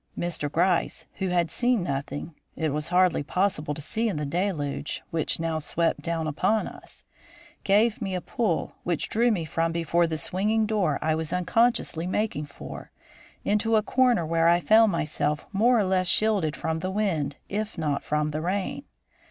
Mr. Gryce, who had seen nothing, it was hardly possible to see in the deluge which now swept down upon us, gave me a pull which drew me from before the swinging door I was unconsciously making for, into a corner where I found myself more or less shielded from the wind if not from the rain.